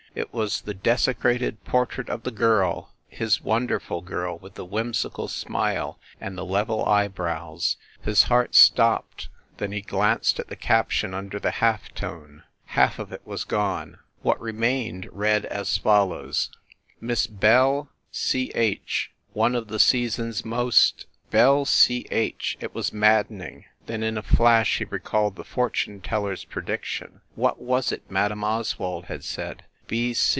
It was the desecrated portrait of the Girl his wonderful girl with the whimsical smile and the level eyebrows. His heart stopped then he glanced at the caption under the half tone. Half of it was gone. What remained read as follows : "Miss Belle Ch One of the season s most" "Belle Ch " it was maddening. Then, in a flash, he recalled the fortune teller s prediction. What was it Madame Oswald had said?